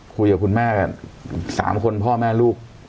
คุยกับคุณแม่๓คนพ่อแม่ลูก